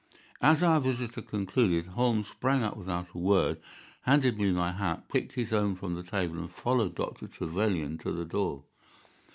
As our visitor concluded, Holmes sprang up without a word, handed me my hat, picked his own from the table, and followed Dr. Trevelyan to the door.